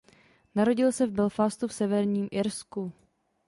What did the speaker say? Narodil se v Belfastu v Severním Irsku.